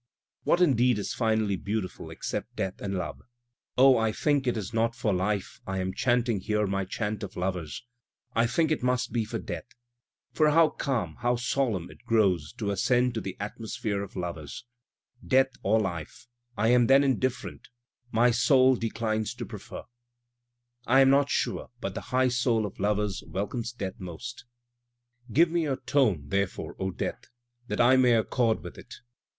. (what indeed is finally beautiful except death and love?) O I think it is not for life I am chanting here my chant of lovers, I think it must be for death, For how calm, how solemn it grows to ascend to the atmosphere of lovers, Death or life, I am then indifferent, my soul declines to prefer, ( I am not siu*e but the high soul of lovers welcomes death most) Digitized by Google 230 THE SPIRIT OF AMERICAN LITERATURE Give me your tone therefore O death, that I may accord with it.